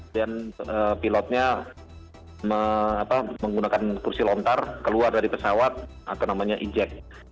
dan pilotnya menggunakan kursi lontar keluar dari pesawat atau namanya ejek